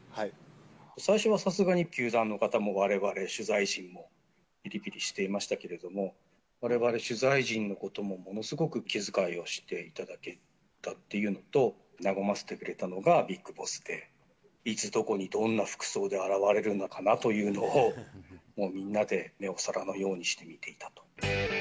最初はさすがに球団の方もわれわれ取材陣もぴりぴりしていましたけれども、われわれ取材陣のこともものすごく気遣いをしていただけたというのと、和ませてくれたのがビッグボスで、いつどこにどんな服装で現れるのかなというのをもうみんなで目を皿のようにして見ていたと。